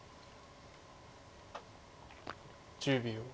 １０秒。